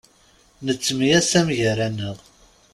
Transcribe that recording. Nettemyasam gar-aneɣ.